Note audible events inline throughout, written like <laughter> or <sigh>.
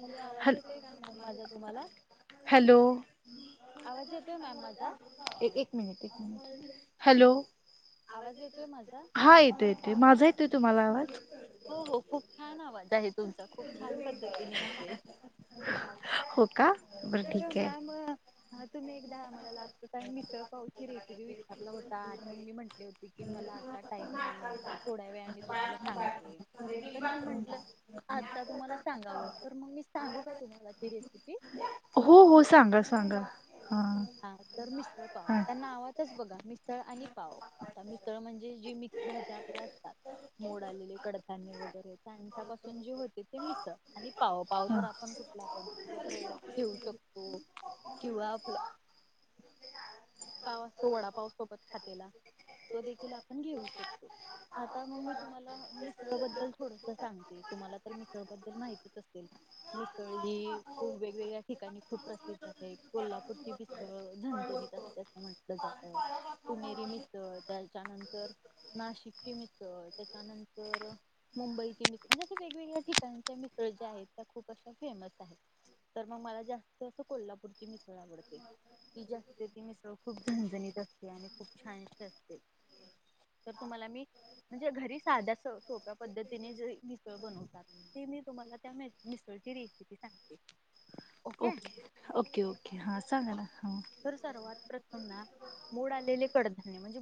Hello आवाज हॅल येतोय का मॅम माझा तुम्हाला हॅलो आवाज येतोय मॅम माझा एक मिनिट एक मिनिट हॅलो आवाज येतोय माझा हा येतो येते माझा येतोय तुम्हाला आवाज हो हो खूप छान आवाज आहे तुमचा खूप छान पद्धतीने येतोय हो का बरं तर ठीक मॅम आहे तुम्ही एकदा मला लागत का मिसळ पावची रेसिपी विचारला होता मग मी म्हटले होते की मला आता टाईम नाही आहे थोड्या वेळाने तुम्हाला सांगते पण मग म्हंटलं आता तुम्हाला सांगावं तर मग मी सांगू का तुम्हाला ती रेसिपी हो हो सांगा सांगा हा हा तर मिशळ पावा हा त्यांना आवाातच बघा मितळ आणि पाव आता मितळ म्हणजे जी मिक्स भाज्या आपल्या असतात मोड आलेले कडधान्य वगैरे त्यांच्यापासून जे होते ते मिस आणि पाव पाव हा जर आपणठ प्रेर ठेऊ शकतो किंवा आपला पावस तो वडा पाव सोबत खातेला तो देखील आपण घेऊ शकतो आता मग मी तुम्हाला मिसळबद्दल थोडस सांगते तुम्हाला तर मिसळबद्दल माहितीच असेल मिस्थळी ही खूप वेगवेगळ्या ठिकाणी खूप प्रसिद्ध आहे कोल्हापूर रती पस्तळ झणझणीत असते अस म्हंटलं जातं पुणेरी मिसळ त्याच्यानंतर नाशिकची मिसळ त्याच्यानंतर मुंबईचे मित म्हणजे असे वेगवेगळ्या ठिकाणचे मित्र ज्या आहेत त्या खूप अशा फेमस आहेत तर मग मला जास्त असं कोल्हापूरची मिसळ आवडते ती जी असते ती मिसळ खूप झनझणीत असते आणि खूप छानशी असते तर तुम्हाला मी म्हणजे घरी साध्या सोप्या पद्धतीने जे मिसळ बनवतात ते मी तुम्हाला त्या मिसळ ेि सांगते ओके ओके ओके हां सांगा ना हा तर सर्वात प्रथम ना मूड आलेले कडधान्य म्हणजे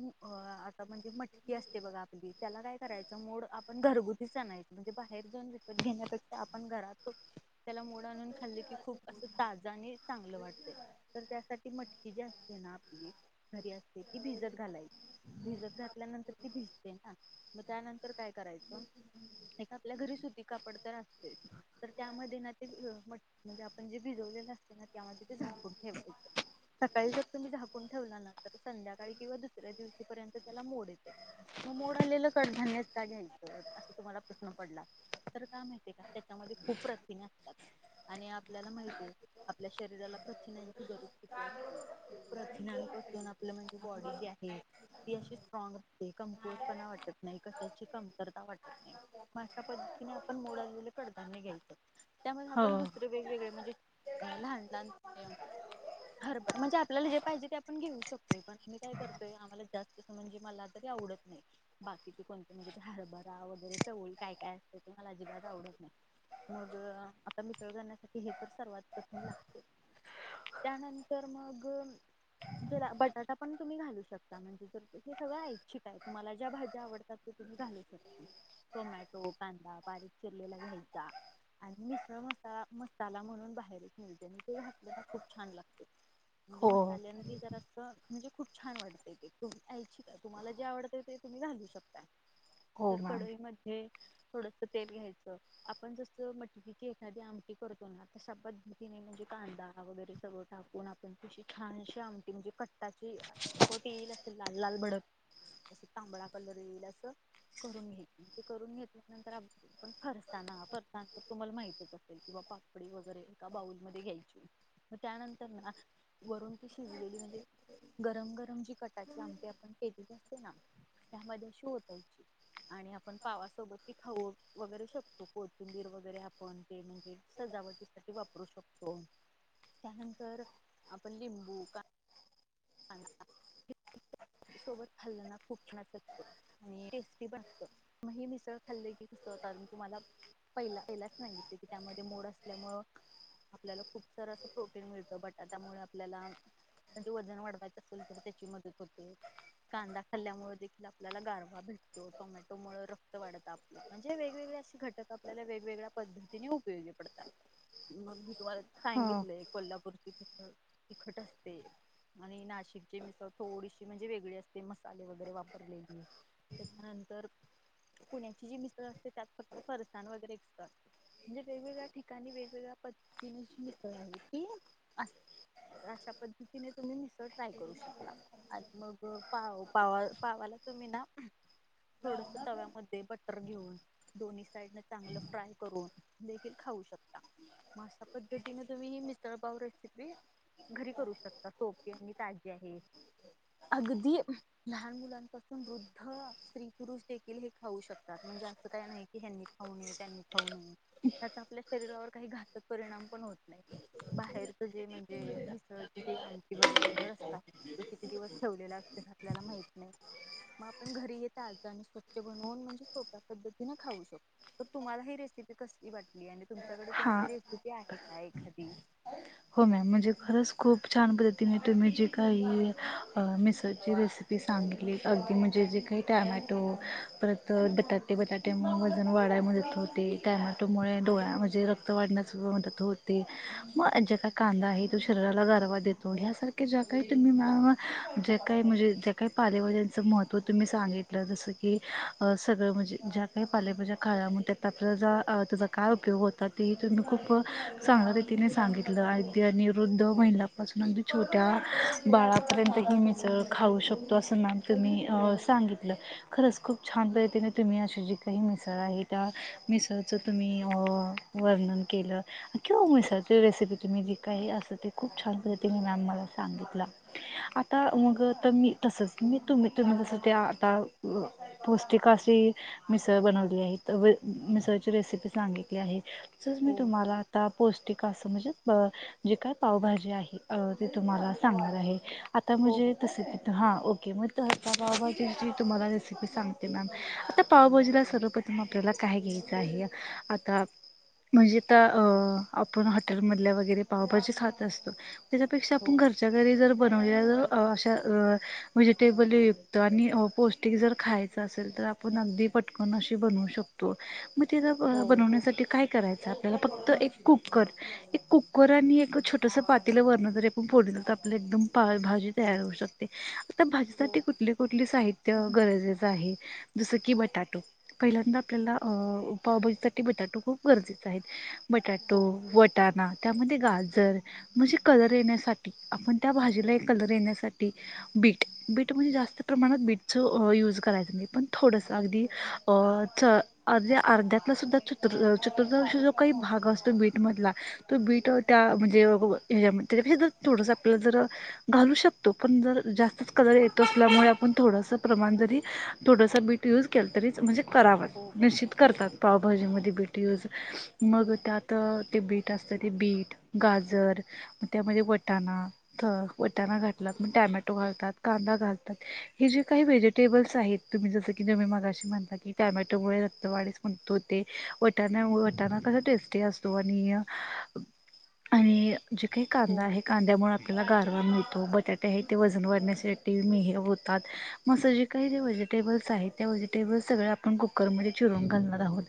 म्हणे मट अस ब आप त्या काय कराय ण घरगुतीच नाहीय म्हणजे बाहेर जाऊन विकत घेण्यापेक्षा आपण घरातो त्याला मोड आणून खाल्ले की खूप असं ताजा आणि चांगलं वाटतय तर त्यासाठी मटकी जी असते ना आपली घरी असते ती भिजत घालायची भिजत घातल्यानंतर ती भिजते ना मग त्यानंतर काय करायचं एक आपल्या घरी सुती कापड तर असते तर त्यामध्ये ना ते म्हणजे आपण जे भिजवलेलं असते ना त्यामध्ये ते झाकून ठेवायचं सकाळी जत मी झाक ठेध्याका कि दु्या दिवर्य त्या मो आ कड अस त्हाला प्रश्न प का मा का त्याच्यामध्ये खूप प्रथिम असतात आणि आपल्याला माहती आहे आपल्या शरीराला प्रचिनांची गरज किती असते प्रज्ञानपसून आपलं म्हणजे बॉडी जी आहे ती अशी स्ट्रॉग असते कमकोज पणा वाटत नाही कसची कमतरता वाटत नाही मग अशा पद्धतीने आपण मोड आलेले कडधान्य घ्यायचं त्यामध्ये आपण हो दुसरे वेगवेगळे म्हणजे अ लहान लहान हर म्हणजे आपल्याला जे पाहिजे ते आपण घेऊ शकतोय पण मी काय करतोय आम्हाला जास्त म्हणजे मला आवडत नाही बाकीचे कोणते म्हणजे हरभरा वगैरे चवल काय काय असत तर मला अजिबात आवडत नाही मग आता मिसळ गाण्यासाठी हे तर सर्वात कठण लागते त्याननंतर मग ज बटाटा पण तुम्ही घालू शकता म्हणजे जर हे सगळं ऐच्छिक आहे तुम्हाला ज्या भाज्या आवडतात ् घालू शकता टोमॅटो कांदा बारीक चिरलेला घ्यायचा आणि मिसळ मसाला मसाला म्हणून बाहेर ते घातलं खूप छान लागते म्हणजे हो मसाल्या म्हणजे खूप छान वाटतेय तुही ऐछिक का तुम्हाला जे आवडत ते तुम्ही घालू शकता हो तर मॅम कढईमध्ये थोडस तेल घ्यायचं आपण जस मटकीची एखादी आमटी करतो ना तश्या पद्धतीने म्हणजे कांदा वगैरे सगळं टाकून आपण तशी छानशीे आमटी म्हणजे कट्टाची ट येईल असेल लाल लाल भडक अस तांबळा कलर येईल असं करून घेत ते करून घेतल्यानंतरण फरसाना फरसानानंतर तुम्हाला माहतीच असेल कि पापडी वगैरे एका बाउल मध्ये घ्यायची म त्यानंतर ना वरून ती शिजलेली म्हणजे गरम गरम जी कटाची आमटी आपण केेलेली असते ना त्यामध्ये ओतायची. आणि आपण पावासोबत त खाऊ वगैरे शकतो कोथिंबीर वगैरे आपण म्हणजे सजावटीसाठी वापरू शकतो त्यानंतर आपण लिंबू, कांदा सोबत खाल्लना कुठ असतो आणि टेस्टी बनत म हे मिसळ खाल्लं की कसत तुम्हाला पहिला पहिलाच सगितलं की त्यामध्ये मोड असल्यामुंळ आपल्याला खूप सार अस प्रोटीन मिळत बटाटामुळ आपल्याला त्यामुळे वजन वाढत. म हो कांदा खाल्ल्यामुळे आपल्याला गारवा भेटतो टोमॅटोमुळ रक्त वाढत आपलं म्हणजे वेगवेगळे अशी घटक आपल्याला वेगवेगळ्या पद्धतीने उपयोगी पडतात. मग मी तुम्हाला हो सांगितलंय कोल्हापूचे तिखट तिखट असते. आणि नाशिकची मिसळ थोडीशी म्हणजे वेगळी असते मसाले वगैरे वापरलेली. त्याच्यानंतर पुण्याची जी मिसळ असते त्यात फक्त फरसाण वगैरे असतात. म्हणजे वेगवेगळ्या ठिकाणी वेगवेगळ्या पद्धतीने मिसळ असते. अशा पद्धतीने तुम्ही मिसळ ट्राय करू शकता आणि मग पाव पावा पावाला तुम्ही ना थोडस तव्यामध्ये बटर बटर घेऊन दोन्ही साईड न चांगलं फ्राय करून देखील खाऊ शकता. आशा पद्धतीने तुम्ही ही मिसळ पाव रेसिपी घरी करू शकता. सोपी आणि ताजी आहे. अगदी लहान मुलांपासून वृद्ध स्त्री पुरुष देखील हे खाऊ शकतात म्हणजे जास्त काय नाही की खाऊ नये त्यांनी खाऊ नये, त्यात आपल शरीरावर काही घातक परिणाम पण होत नाही बाहेरच जे म्हणजे मिसळ जे आम वगैरे म्हणजे असतात तो किती दिवस ठेवलेला अस आपल्याला माहित नाही. मग आपण घरी येत आ आणि स्वच्छ बनवून म्हणजे सोप्या पद्धतीने खाऊ शकतो तर तुम्हाला ही रेसिपी कसली वाटली आणि तुमच्याकडे हा कोणती रेसिपी आहे का एखादी हो मॅम म्हणजे खरच खूप छान पद्धतीने तुम्ही जी काही मिसळची रेसिपी सांगितली अगदी म्हणजे जे काही टमॅटो परत बटाटे बटाटे वजन वाढत मत होते त्या टोमॅटो मुळे डोळ्यामध्ये रक्त वाढण्यास मदत होते मग कांदा आहे त शरीराला गारवा देतो हसारख्या ज्या काही तुम्ही ज्या काही म्हणजे जे काही काही पालेभाज्यांचं महत्व तुम्ही सांगितलं जसं की सगळं म्हणजे ज्या काही पालेभाज्या काळात त्यात आपला त्याचा काय उपयोग होता ते तुम्ही खूप चांगल्या रीतीने सांगितलं. अगदी आणि वृद्ध हो महिलापासून अगदी छोट्या बाळापर्यंत ही मिसळ खाऊ शकतो असं मॅम तुम्ही सांगितलं खरच खूप छान पद्धतीने तुम्ही अशी जी काही मिसळ आहे त्या मिसळचं तुम्ही वर मिसळची रेसिपी तुम्ही जे काही असं ते खूप छान पद्धतीने मॅम मला सांगितलं आता मग तर मी तसंच मी तुम्ही तुम्ही च जे ते आता पौष्टिक अशी मिसळ बनवली आहे. व मिसळची रेसिपी सांगितली आहे जस मी हो तुम्हाला आता पौष्टिक असं म्हणजे अ जे काय पावभाजी आहे ते तुम्हाला सांगणार आहे. आता म्हणजे हो तसं त हां ओके मग तर आता पावभाजीची तुम्हाला रेसिपी सांगते मॅम आता पावभाजीला सर्वप्रथम आपल्याला काय घ्याल म्हणजे आपण हॉटेलमध्ये बाहेर आपण पावभाजी खात असतो याच्यापेक्षा हो आपण जर घरच्या घरी बनवली बनवल्या अशा व्हेजिटेबल युक्त आणि पौष्टिक जर खायचं असेल तर आपण अगदी पटकन अशी बनवू शकतो मग तिथं हो बनवण्यासाठी काय करायचं आपल्याला फक्त एक कुकर एक कुकर आणि एक छोटंसं पातील वरणं जरी आपण फोडलं तर आपल्या एकदम पाव भाजी तयार होऊ शकते आता हो भाजीसाठी कुठले कुठले साहित्य गरजेचं आहे जसं की बटाटो पहिल्यांदा आपल्याला अ पाभजीसाठी बटाटो खूप गरजेचे आहेत बटाटो हो वटा ना मग ते गाजर म्हणजे कलर येण्यासाठी आपण त्या भाजीला एक कलर येण्यासाठी बीट बीट म्हणजे जास्त प्रमाणात बीटचं यूज करायचं नाही पण थोडंसं अगदी च अर्ध्या अर्ध्यातला सुद्धा चतुर्थांश जो काही भाग असतो बीटमधला तो बीट त्या म्हणजे त्याच्यापेक्षा जर थोडंसं आपल्याला जर घालू शकतो पण जर जास्तच कलर येतो असल्यामुळे आपण थोडंसं प्रमाण जरी थोडंसं बीट यूज केलं तरीच म्हणजे कराव निश्चित हो करतात पावभाजीमध्ये बीट यूज मग त्यात ते बीट बीट गाजर मग त्यामध्ये वटाणा घातला तर टमॅटो घलतात कांदा घालतात हे जे काही व्हेजिटेबल्स आहेत तुम्ही जसं की मगाशी म्हणता की टॅमॅटोमुळे रक्तवाडीस म्हणतो ते वटाणा वटाणा कसां टेस्टी असतो आणि आणि जे काही कांदा आहे कांद्यामुळे आपल्याला गारवा मिळतो बटाटे आहे ते वजन वाढण्यासाठी मेह होतात म आसं जे काही जे व्हेजिटेबल्स त्या व्हेजिटेबल्स सगळ आपण कुकरमध्ये चिरून घालणार आहोत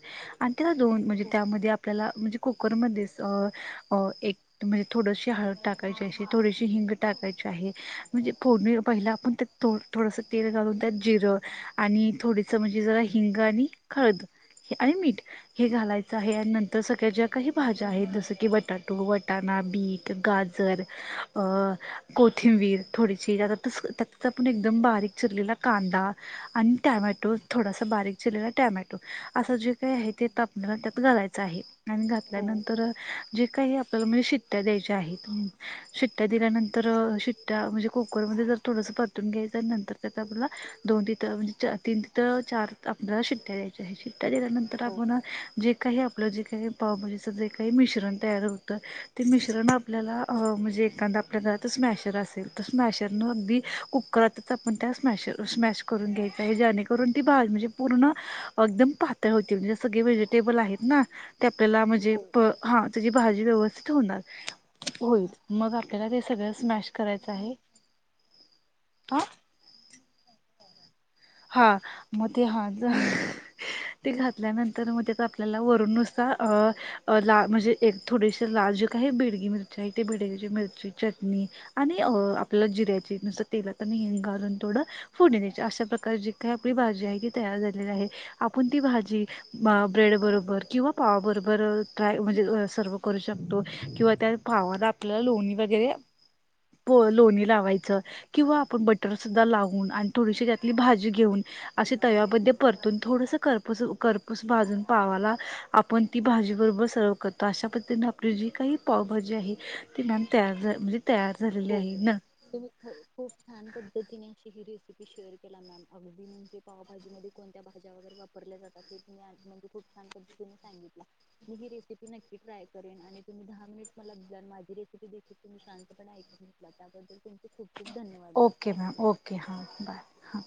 तेला दोन म्हणजे हो त्यामध्ये आपल्याला म्हणजे कुकरमध्येध्ये अ एक म्हणजे थोडशी हळद टाकायची अशी थोडीशी हिंग टाकायची आहे म्हणजे फोडणी पहिला आपण थोडा तेल घालून त्यात जिर आणि थोड जरी हिंग आणि हळद आणि मीठ हे घालायचं आहे आणि नंतर सगळ्या ज्या काही भाजी आहेत जसं की बटाटो, बटाणा, बीट, गाजर, कोथिंबीर थोडीशी त्या आपण एकदम बारीक चिरलेला कांदा आणि टोमॅटो थोडासा असं बारीक चिरलेला टोमॅटो असं जे काही आहे ते त आपल्याला त्यात घालायचं आहे आणि हो घातल्यानंतर तर जे काही आपल्याला म्हणजे शिट्ट्या द्यायच्या आहेत शिट्ट्या दिल्यानंतर शिट्ट्या म्हणजे कुकरमध्ये जर थोडस परतून घ्यायचं नंतर त्या आपला दोन तिथं म्हणजे तीन तिथं चार आपल्याला शिट्ट्या द्यायच्या आहे शिट्ट्या दिल्यानंतर हो आपण जे काही आपलं जे काही पावभजीचं जे काही मिश्रण तयार होतं ते मिश्रण आपल्याला म्हणजे एखादा आपल्या घरात स्मॅशर असेल स्मॅशर न अगदी कुकरात आपण त्या स्मॅशर स्मॅश करून घ्यायचा आहे जेणेकरून ती भाज म्हणजे पूर्ण अगदम पातळ होती म्हणजे सगळे व्हेजिटेबल आहेत ना ते आपल्याला म्हणजे हो हा त्याची भाजी व्यवस्थित होणार होईल मग आपल्याला ते सगळं स्मॅश करायचं आहे आ हा म ते हा ते घातल्यानंतर मग आपल्याला वरून नुसार म्हणजे थोडेसे लाल जे काही बिडगी मिरची आहे ते बिडगीची मिरची चटणी आणि आपल्या जिऱ्याची ची पूड <inaudible> जी काही आपली भाजी आहे ती तयार झालेली आहे आपण ती भाजी ब्रेड बरोबर किंवा पावा बरोबर म्हणजे सर्व करू शकतो किंवा त्या पावाला आपल्याला लोणी वगैरे लोणी लावायच किंवा आपण बटर सुद्धा लावून आणि थोडीशी आपली भाजी घेऊन असे तव्यामध्ये परतून थोडंसं करपूस करपूस भाजून पावाला आपण ती भाजीबरोबर सर्व करतो अशा पद्धतीने आपली जी काही पावभाजी आहे ती मॅम तयार झा म्हणजे तयार झालेली हो आहे ना त खूप छान पद्धतीने अ गिरी रेसिपी शेअर केला मॅम अगदी म्हणजे पावभाजीमध्ये कोणत्या भाज्या वगैरे वापरल्या जात हे तुम म्हणजे खु छान पद्धतीने सांगितला मी ही रेसिपी नक्की ट्राय करेन आणि तुम्ही दहा मिनिट मला दिला आणि माझी तुम्ही शांतप ला त्याबद्दल तुमचे खूप खूप धन्यवाद ओके थँक्यू. मॅम ओके हां बाय हां.